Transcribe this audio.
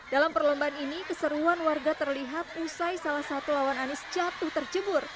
dalam perlombaan ini keseruan warga terlihat usai salah satu lawan anies jatuh terjemur